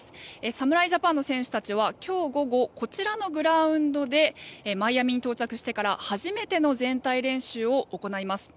侍ジャパンの選手たちは今日午後こちらのグラウンドでマイアミに到着してから初めての全体練習を行います。